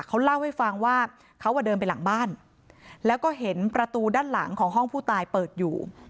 เขาเล่าให้ฟังว่าเขาอ่ะเดินไปหลังบ้านแล้วก็เห็นประตูด้านหลังของห้องผู้ตายเปิดอยู่